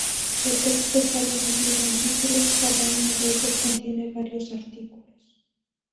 El texto está dividido en "Títulos", cada uno de ellos contiene varios artículos.